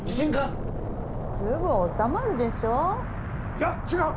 いや違う！